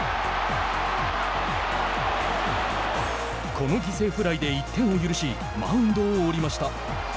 この犠牲フライで１点を許しマウンドを降りました。